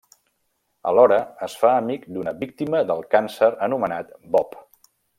Alhora, es fa amic d'una víctima del càncer anomenat Bob.